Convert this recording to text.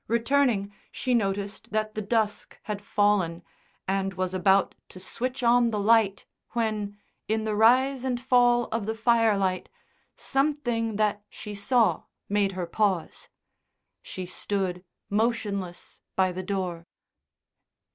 Returning she noticed that the dusk had fallen, and was about to switch on the light when, in the rise and fall of the firelight, something that she saw made her pause. She stood motionless by the door.